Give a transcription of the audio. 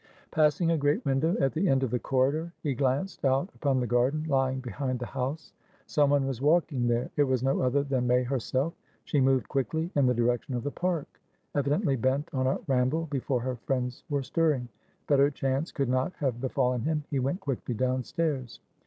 Passing a great window at the end of the corridor, he glanced out upon the garden lying behind the house. Some one was walking thereit was no other than May herself. She moved quickly, in the direction of the park; evidently bent on a ramble before her friends were stirring. Better chance could not have befallen him. He went quickly downstairs.